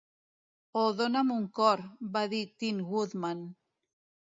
"O dona'm un cor", va dir Tin Woodman.